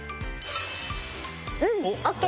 うんＯＫ！